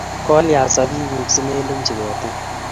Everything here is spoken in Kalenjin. Kolia sabibuk si melumchi ketik